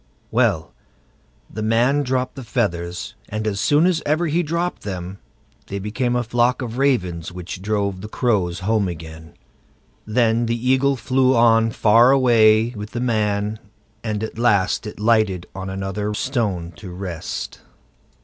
Well, the man dropped the feathers, and as soon as ever he dropped them they became a flock of ravens which drove the crows home again. Then the Eagle flew on far away with the man, and at last it lighted on another stone to rest.